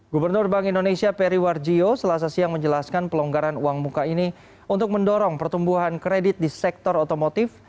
gubernur bank indonesia peri warjio selasa siang menjelaskan pelonggaran uang muka ini untuk mendorong pertumbuhan kredit di sektor otomotif